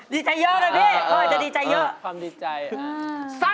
ดีใจเยอะนะเบพ่อจะดีใจเยอะ